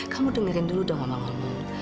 kamu dengerin dulu dong mama ngomong